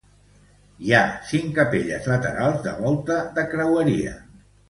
Hi ha cinc capelles laterals de volta de creueria.